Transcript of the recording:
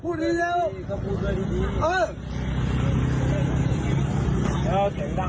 อุบัติเหตุไว้กับทหารเมาขี่จักรยานยนต์ชนคน